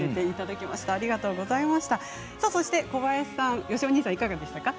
そして、小林さん、よしひさおにいさんいかがでしたか。